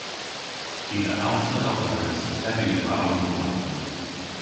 I a allsa dha weres tevi avallow-dor.